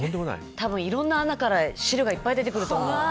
多分いろんな穴から汁がいっぱい出てくると思う。